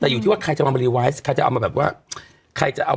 แต่อยู่ที่ว่าใครจะเอามารีไว้